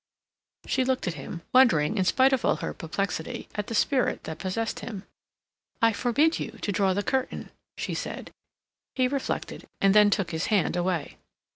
She looked at him, wondering, in spite of all her perplexity, at the spirit that possessed him. "I forbid you to draw the curtain," she said. He reflected, and then took his hand away.